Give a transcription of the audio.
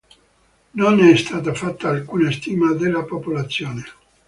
Non è stata fatta alcuna stima della popolazione.